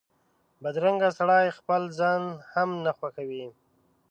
بدرنګه سړی خپل ځان هم نه خوښوي